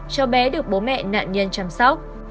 con bé được bố mẹ nạn nhân chăm sóc